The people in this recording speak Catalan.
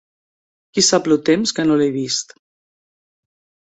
Qui-sap-lo temps que no l'he vist!